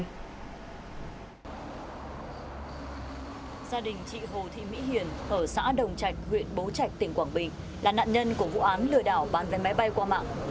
gia đình chị hồ thị mỹ hiền ở xã đồng trạch huyện bố trạch tỉnh quảng bình là nạn nhân của vụ án lừa đảo bán vé máy bay qua mạng